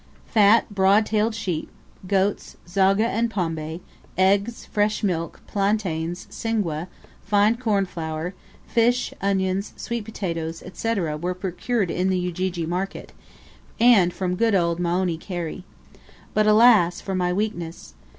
Fat broad tailed sheep, goats, zogga and pombe, eggs, fresh milk, plantains, singwe, fine cornflour, fish, onions, sweet potatoes, &c., &c., were procured in the Ujiji market, and from good old Moeni Kheri. But, alas! for my weakness.